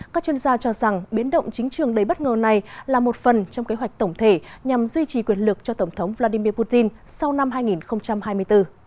các chuyên gia cho rằng biến động chính trường đầy bất ngờ này là một phần trong kế hoạch tổng thể nhằm duy trì quyền lực cho tổng thống vladimir putin sau năm hai nghìn hai mươi bốn